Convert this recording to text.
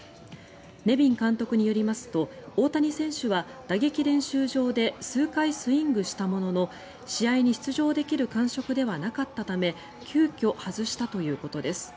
ネビン監督によりますと大谷選手は打撃練習場で数回スイングしたものの試合に出場できる感触ではなかったため急きょ外したということです。